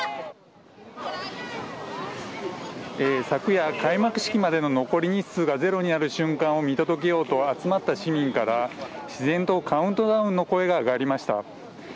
昨夜、開幕式までの残り日数がゼロになる瞬間を見届けようと集まった市民から自然とカウントダウンの声が上がりました。